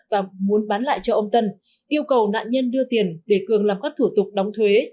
và muốn bán lại cho ông tân yêu cầu nạn nhân đưa tiền để cường làm các thủ tục đóng thuế